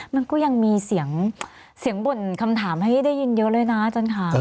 มันก็ยังมีเสียงบ่นคำถามให้ได้ยินเยอะเลยนะอาจารย์ค่ะ